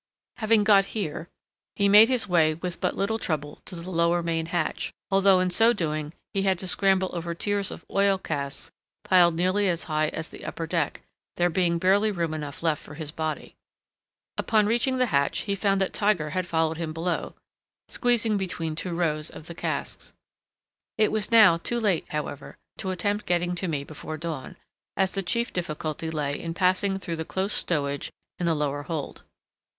Having got here, he made his way with but little trouble to the lower main hatch, although in so doing he had to scramble over tiers of oil casks piled nearly as high as the upper deck, there being barely room enough left for his body. Upon reaching the hatch he found that Tiger had followed him below, squeezing between two rows of the casks. It was now too late, however, to attempt getting to me before dawn, as the chief difficulty lay in passing through the close stowage in the lower hold.